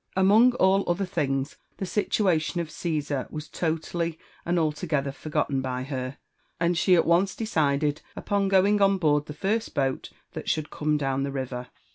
Among all other things, the situation of Caesar was totally and alto gether forgotten by her, and she at once decided upon going on board the first boat thai should come down the river.